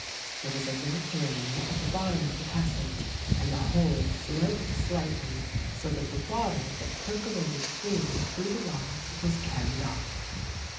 There was a little drain at the bottom of the passage and the whole sloped slightly so that the water that percolated freely through the walls was carried off.